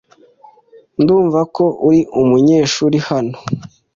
Ndumva ko uri umunyeshuri hano.